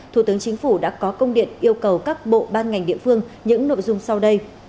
thủ tướng chính phủ đã có công điện yêu cầu các bộ ban ngành địa phương những nội dung sau đây